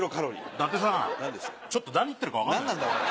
伊達さんちょっと何言ってるか分からないですね。